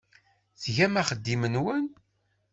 Tgam axeddim-nwen.